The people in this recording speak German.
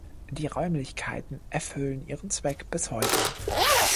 Die Räumlichkeiten erfüllen ihren Zweck bis heute.